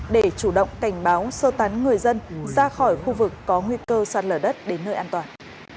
để chủ động cảnh báo sơ tán người dân ra khỏi khu vực có nguy cơ sạt lở đất đến nơi an toàn